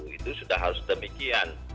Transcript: itu sudah harus demikian